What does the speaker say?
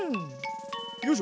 よいしょ。